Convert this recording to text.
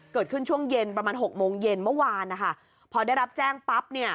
เกิดขึ้นช่วงเย็นประมาณหกโมงเย็นเมื่อวานนะคะพอได้รับแจ้งปั๊บเนี่ย